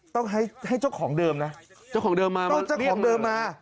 ต้องให้ให้เจ้าของเดิมนะเจ้าของเดิมมาเอาเจ้าของเดิมมา